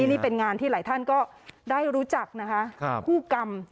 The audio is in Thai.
นี่เป็นงานที่หลายท่านก็ได้รู้จักนะคะคู่กรรม